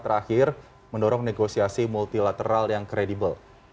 terakhir mendorong negosiasi multilateral yang kredibel